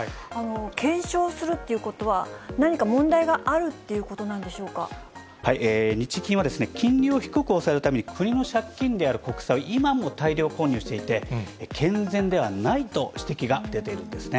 検証するっていうことは、何か問題があるっていうことなん日銀は金利を低く抑えるために、国の借金である国債を今も大量購入していて、健全ではないと指摘が出ているんですね。